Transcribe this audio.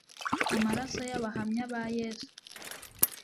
amaraso y abahamya ba yesu